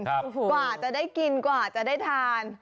กว่าจะได้กินกว่าจะได้ทาน